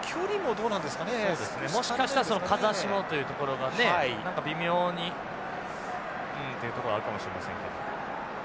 そうですねもしかしたら風下というところがね何か微妙にというところはあるかもしれませんけど。